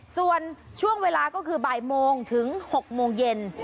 ส่วนช่วงเวลาก็คือบ่ายโมงถึง๖โมงเย็น